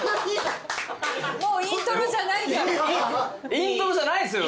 イントロじゃないっすよ。